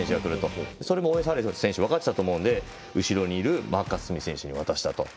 これがオーウェン・ファレル選手分かっていたと思うので後ろにいるマーカス・スミス選手に渡したと。